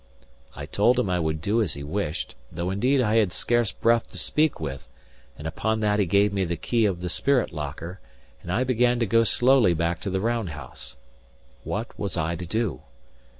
I told him I would do as he wished, though indeed I had scarce breath to speak with; and upon that he gave me the key of the spirit locker, and I began to go slowly back to the round house. What was I to do?